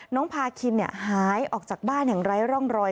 พาคินหายออกจากบ้านอย่างไร้ร่องรอย